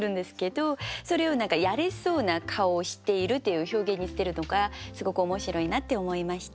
それを何か「やれそうな顔をしている」という表現にしてるのがすごく面白いなって思いました。